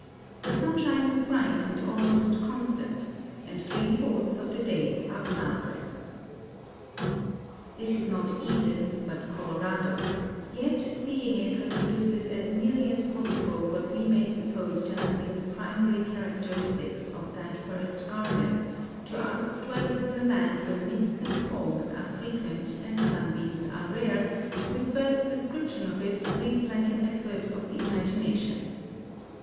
The sunshine is bright and almost constant, and three fourths of the days are cloudless." This is not Eden, but Colorado; yet, seeing it reproduces as nearly as possible what we may suppose to have been the primary characteristics of that first Garden, to us dwellers in a land where mists and fogs are frequent and sunbeams are rare, Miss Bird's description of it reads like an effort of the imagination.